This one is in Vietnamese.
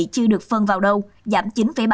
chưa được phân vào đâu giảm chín ba